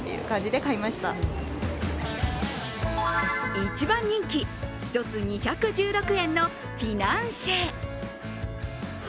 一番人気、１つ、２１６円のフィナンシェ。